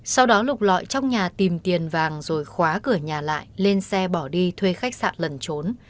sau đó lục lọi trong nhà tìm tiền vàng rồi khóa cửa nhà lại lên xe bỏ đi thuê khách sạn lần trốn